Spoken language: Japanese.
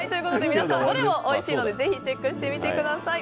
皆さん、どれもおいしいのでチェックしてみてください。